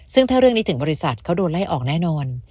ซึ่งถ้าเรื่องนี้ถึงบริษัทเขาโดนไล่ออกแน่นอน